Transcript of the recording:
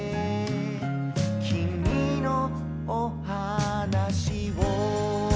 「きみのおはなしを」